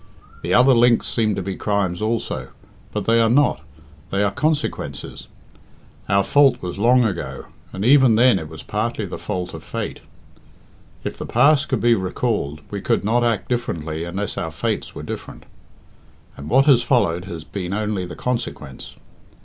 The other links seem to be crimes also, but they are not they are consequences. Our fault was long ago, and even then it was partly the fault of Fate. If the past could be recalled we could not act differently unless our fates were different. And what has followed has been only the consequence.